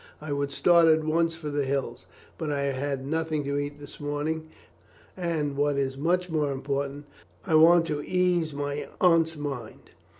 I would start at once for the hills, but I have had nothing to eat this morning, and, what is much more important, I want to ease my aunt's mind.